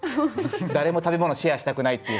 誰も食べ物シェアしたくないっていう。